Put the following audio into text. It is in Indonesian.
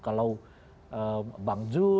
kalau bang zul ya